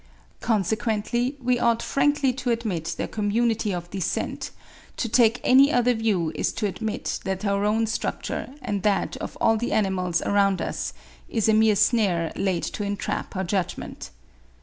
Consequently we ought frankly to admit their community of descent: to take any other view, is to admit that our own structure, and that of all the animals around us, is a mere snare laid to entrap our judgment.